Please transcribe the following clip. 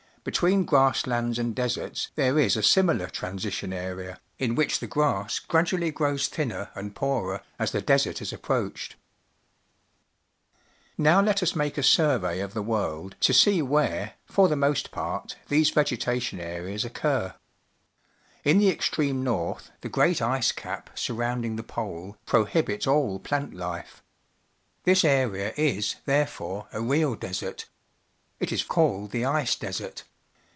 Between grass lands and deserts there is a similar transition area, in which the grass gradually grows thinner and poorer as the desert is approached. 52 PUBLIC SCHOOL GEOGR.IPHY Now let us make a survey of the world to see where, for the most part, these vegetation areas occur. In the extreme noi th t'ne great ice cap surrounding the pole ])ro]iibits a ll pl ant life. Beavers cutting down a Tree It is This area is, therefore, a real desert, called the ice desert.